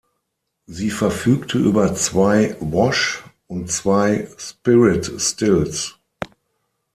Sie verfügte über zwei "wash-" und zwei "spirit still"s.